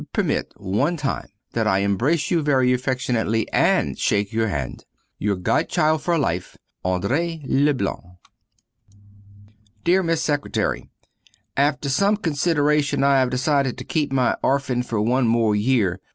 Permit, one time, that I embrace you very affectuously, and shake your hand. Your godchild for the life, Andrée Leblanc. Deer Miss Secretary: After some consideration I have decided to keep my orfan fer one more yere.